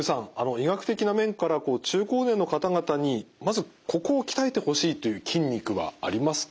医学的な面から中高年の方々にまずここを鍛えてほしいという筋肉はありますか？